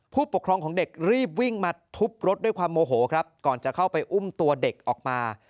ผู้ปกครองของเด็กรีบวิ่งมาทุบรถด้วยความโมโหครับก่อนจะเข้าไปอุ้มตัวเด็กออกมา